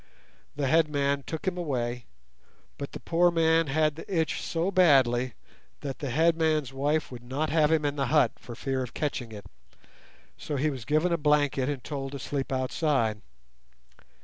The headman took him away, but the poor man had the itch so badly that the headman's wife would not have him in the hut for fear of catching it, so he was given a blanket and told to sleep outside.